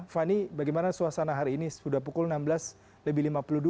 fani bagaimana suasana hari ini sudah pukul enam belas lebih lima puluh dua